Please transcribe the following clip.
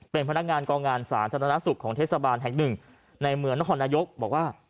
เป็นพนักงานกองงานสาธารณสุขของเทศบาลแห่งหนึ่งในเมืองนครนายกบอกว่า